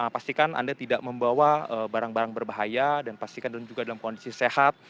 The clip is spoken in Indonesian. pastikan anda tidak membawa barang barang berbahaya dan pastikan anda juga dalam kondisi sehat